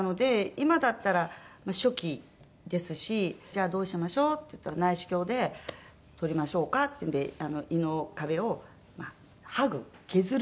今だったら初期ですし「じゃあどうしましょう？」って言ったら「内視鏡で取りましょうか」って言うんで胃の壁をはぐ削る。